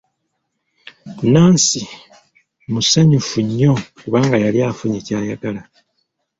Nansi musanyufu nnyo kubanga yali afunye kyayagala.